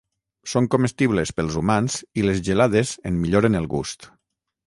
Són comestibles pels humans i les gelades en milloren el gust.